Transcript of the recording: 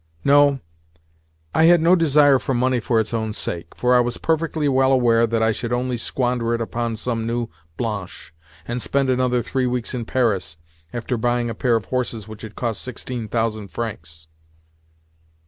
No, I had no desire for money for its own sake, for I was perfectly well aware that I should only squander it upon some new Blanche, and spend another three weeks in Paris after buying a pair of horses which had cost sixteen thousand francs.